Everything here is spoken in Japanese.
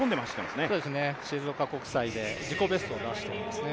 静岡国際で自己ベストを出していますね。